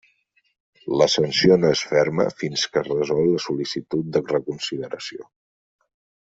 La sanció no és ferma fins que es resol la sol·licitud de reconsideració.